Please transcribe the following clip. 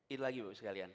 itu lagi bapak ibu sekalian